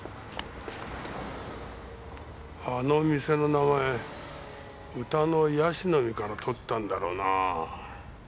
あの店の名前歌の『椰子の実』から取ったんだろうな。